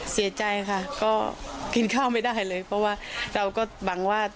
เสียใจค่ะก็กินข้าวไม่ได้เลยเพราะว่าเราก็หวังว่า